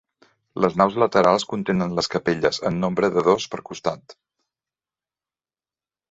Les naus laterals contenen les capelles, en nombre de dos per costat.